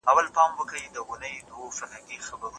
ما لیدلي جنازې دي هم د ګل هم د بلبلو